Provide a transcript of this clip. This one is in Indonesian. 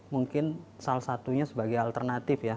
mungkin salah satunya sebagai alternatif ya